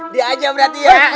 dia aja berarti ya